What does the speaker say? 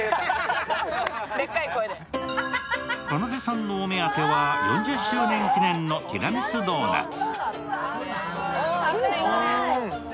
かなでさんのお目当ては４０周年記念のティラミスドーナツ。